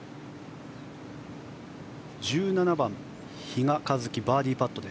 １７番、比嘉一貴のバーディーパット。